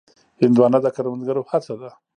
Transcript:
هندوانه د کروندګرو هڅه ده.